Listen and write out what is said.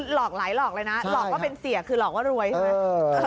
หลอกหลายหลอกเลยนะหลอกว่าเป็นเสียคือหลอกว่ารวยใช่ไหม